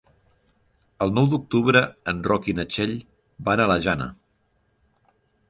El nou d'octubre en Roc i na Txell van a la Jana.